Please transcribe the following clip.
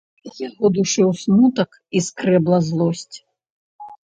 Яго душыў смутак і скрэбла злосць.